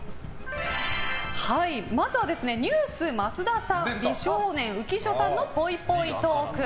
まずはＮＥＷＳ、増田さん美少年、浮所さんのぽいぽいトーク。